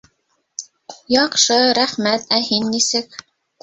Яҡшы, рәхмәт! Ә һин нисек?